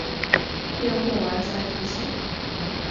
验货完再付钱